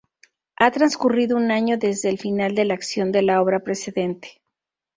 Ha transcurrido un año desde el final de la acción de la obra precedente.